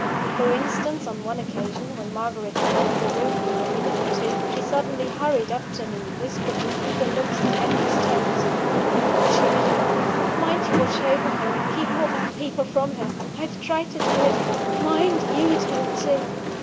For instance, on one occasion, when Margaret had left the room for a minute or two, she suddenly hurried up to me, whispering with eager looks and anxious tones: "Watch over your wife mind you watch over her, and keep all bad people from her! I've tried to do it mind you do it, too!"